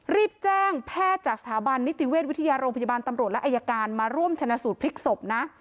รีบแจ้งแพทย์จากสถาบันนิติเวชวิทยาโรงพยาบาลตำรวจและอายการมาร่วมชนะสูตรพลิกศพนะ